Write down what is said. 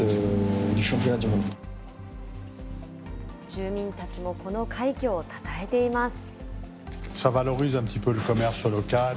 住民たちもこの快挙をたたえています。